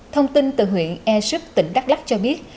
thông tin từ huyện airship tỉnh đắk lắc cho biết